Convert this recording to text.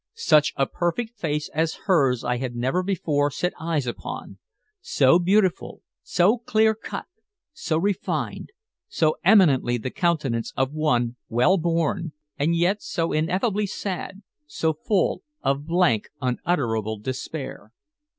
Such a perfect face as hers I had never before set eyes upon, so beautiful, so clear cut, so refined, so eminently the countenance of one well born, and yet so ineffably sad, so full of blank unutterable despair.